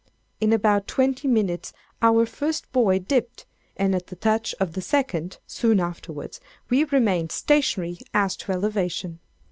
In about twenty minutes our first buoy dipped, and at the touch of the second soon afterwards, we remained stationary as to elevation.